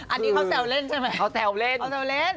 อันนี้เขาแซวเล่นใช่ไหมเขาแซวเล่นเขาแซวเล่น